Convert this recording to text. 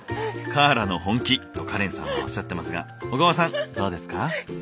「カアラの本気」とカレンさんはおっしゃってますが小川さんどうですか？